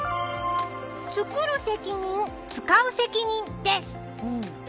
つくる責任、つかう責任です。